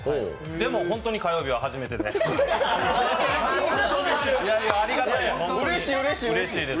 でも、本当に火曜日は初めてでうれしいです。